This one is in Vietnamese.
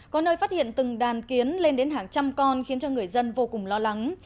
có nơi phát hiện từng đàn kiến lên đến hàng trăm con khiến cho người dân vô cùng lo lắng